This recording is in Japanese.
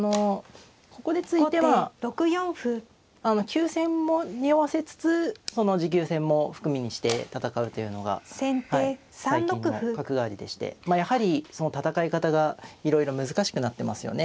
急戦もにおわせつつその持久戦も含みにして戦うというのが最近の角換わりでしてまあやはりその戦い方がいろいろ難しくなってますよね。